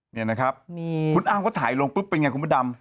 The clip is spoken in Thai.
นี่นะครับคุณอ้ำก็ถ่ายลงปุ๊บเป็นไงคุณพระดำ